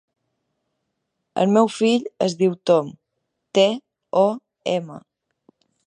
El meu fill es diu Tom: te, o, ema.